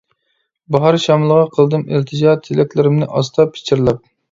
باھار شامىلىغا قىلدىم ئىلتىجا، تىلەكلىرىمنى ئاستا پىچىرلاپ.